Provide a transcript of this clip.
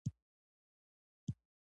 نوي سړي د تواب لاسونه خلاص کړل.